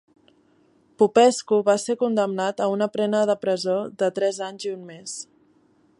Popescu va ser condemnat a una pena de presó de tres anys i un mes.